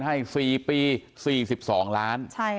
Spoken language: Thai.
ให้๔ปี๔๒ล้าน